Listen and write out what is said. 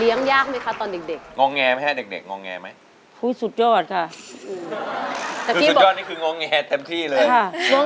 เลี้ยงยากไหมคะตอนเด็กที่เด็ก